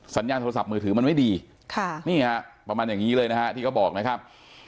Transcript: สัญญาณโทรศัพท์มือถือมันไม่ดีค่ะนี่ฮะประมาณอย่างนี้เลยนะฮะที่เขาบอกนะครับ